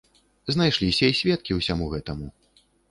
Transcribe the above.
Знайшліся і сведку ўсяму гэтаму.